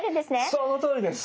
そのとおりです！